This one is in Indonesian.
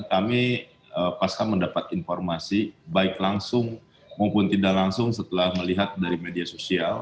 kami pasca mendapat informasi baik langsung maupun tidak langsung setelah melihat dari media sosial